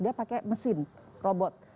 dia pakai mesin robot